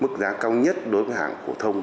mức giá cao nhất đối với hãng cổ thông